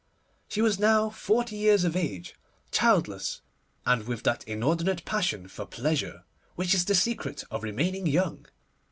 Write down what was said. She was now forty years of age, childless, and with that inordinate passion for pleasure which is the secret of remaining young.